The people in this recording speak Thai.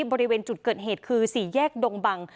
บริเวณจุดเกิดเหตุคือ๔แยกดงบัง